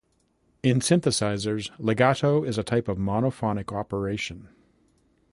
In synthesizers legato is a type of monophonic operation.